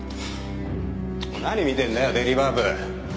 何見てんだよデリバー部。